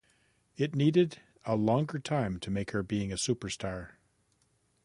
It needed a longer time to make her being a superstar.